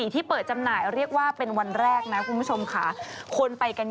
พี่มดดำมาอยู่กับลุงไปก่อนคุณป๊า